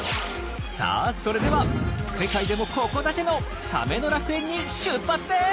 さあそれでは世界でもココだけのサメの楽園に出発です！